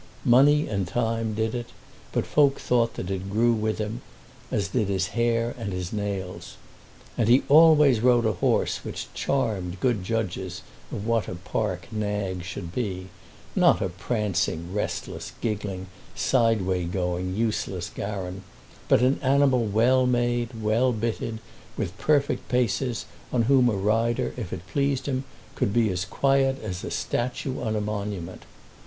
Money and time did it, but folk thought that it grew with him, as did his hair and his nails. And he always rode a horse which charmed good judges of what a park nag should be; not a prancing, restless, giggling, sideway going, useless garran, but an animal well made, well bitted, with perfect paces, on whom a rider if it pleased him could be as quiet as a statue on a monument.